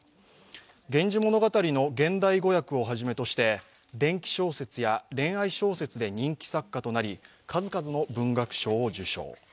「源氏物語」の現代語訳をはじめとして伝記小説や恋愛小説で人気作家となり、数々の文学賞を受賞。